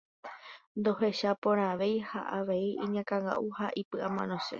Ndohechaporãvei ha avei iñakãnga'u ha ipy'amanose.